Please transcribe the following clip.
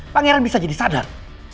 pangeran bisa jadi sadar